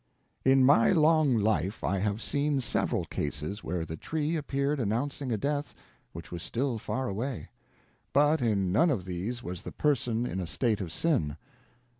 In my long life I have seen several cases where the tree appeared announcing a death which was still far away; but in none of these was the person in a state of sin.